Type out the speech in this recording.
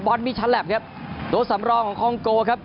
บอสมีชาลัพย์นะครับตัวสำรองของคองโกครับ